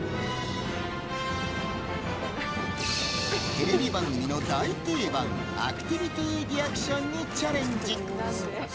テレビ番組の大定番アクティビティーリアクションにチャレンジ！